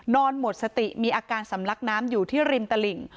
หมดสติมีอาการสำลักน้ำอยู่ที่ริมตลิ่ง